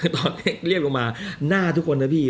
ตอนเรียบลงมาหน้าทุกคนนะพี่